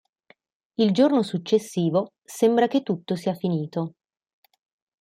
Il giorno successivo sembra che tutto sia finito.